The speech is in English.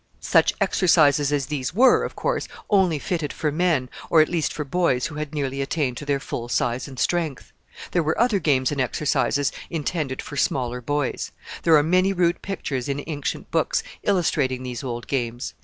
Such exercises as these were, of course, only fitted for men, or at least for boys who had nearly attained to their full size and strength. There were other games and exercises intended for smaller boys. There are many rude pictures in ancient books illustrating these old games.